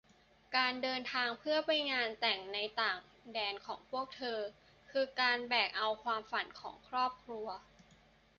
การเดินทางเพื่อไปแต่งงานในต่างแดนของพวกเธอ คือการแบกเอาความฝันของครอบครัว